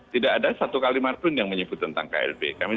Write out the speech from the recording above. tidak ada satu kalimat pun yang menyebut tentang klb